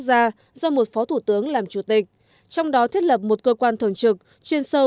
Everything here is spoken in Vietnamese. gia do một phó thủ tướng làm chủ tịch trong đó thiết lập một cơ quan thường trực chuyên sâu